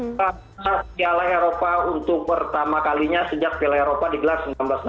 untuk menang piala eropa untuk pertama kalinya sejak piala eropa di gelas seribu sembilan ratus enam puluh